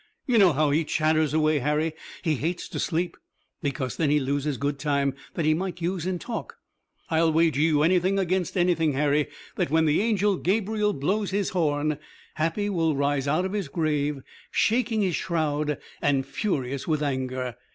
You know how he chatters away, Harry. He hates to sleep, because then he loses good time that he might use in talk. I'll wager you anything against anything, Harry, that when the Angel Gabriel blows his horn Happy will rise out of his grave, shaking his shroud and furious with anger.